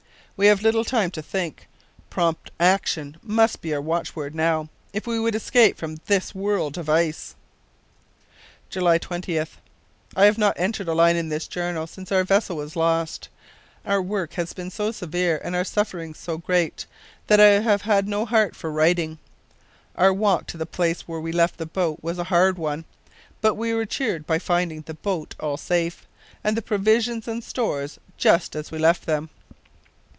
We have little time to think. Prompt action must be our watchword now, if we would escape from this world of ice. "July 20th. I have not entered a line in this journal since our vessel was lost. Our work has been so severe, and our sufferings so great, that I have had no heart for writing. Our walk to the place where we left the boat was a hard one, but we were cheered by finding the boat all safe, and the provisions and stores just as we left them.